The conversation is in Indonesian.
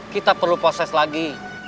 kita perlu proses lagi